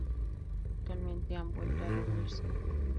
Actualmente han vuelto a reunirse.